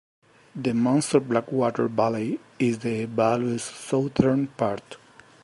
The Munster Blackwater valley is the Vale's southern part.